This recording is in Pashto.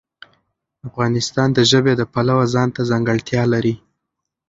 افغانستان د ژبې د پلوه ځانته ځانګړتیا لري.